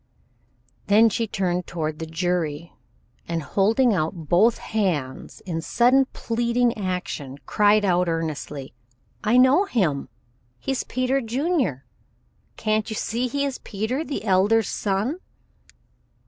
Then she turned toward the jury, and holding out both hands in sudden pleading action cried out earnestly: "I know him. He is Peter Junior. Can't you see he is Peter, the Elder's son?"